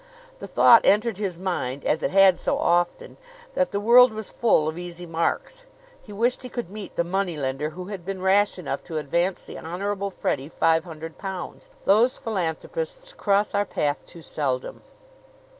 The thought entered his mind, as it had so often, that the world was full of easy marks. He wished he could meet the money lender who had been rash enough to advance the Honorable Freddie five hundred pounds. Those philanthropists cross our path too seldom.